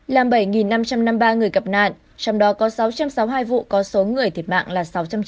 làm bảy năm trăm năm mươi ba người gặp nạn trong đó có sáu trăm sáu mươi hai vụ có số người thiệt mạng là sáu trăm chín mươi